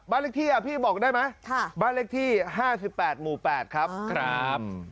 เลขที่พี่บอกได้ไหมบ้านเลขที่๕๘หมู่๘ครับครับ